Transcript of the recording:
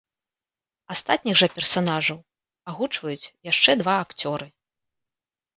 Астатніх жа персанажаў агучваюць яшчэ два акцёры.